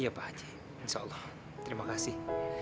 ya pak haji insya allah terima kasih